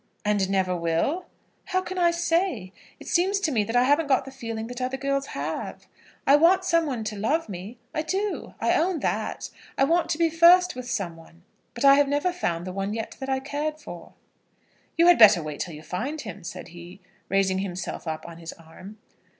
"And never will?" "How can I say? It seems to me that I haven't got the feeling that other girls have. I want some one to love me; I do. I own that. I want to be first with some one; but I have never found the one yet that I cared for." "You had better wait till you find him," said he, raising himself up on his arm.